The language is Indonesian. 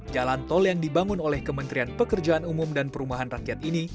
jalan tol yang dibangun oleh kementerian pekerjaan umum dan perumahan rakyat ini